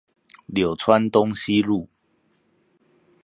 柳川東西路